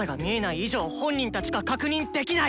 以上本人たちか確認できない！